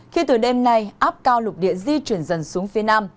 khi từ đêm nay áp cao lục địa di chuyển dần xuống phía nam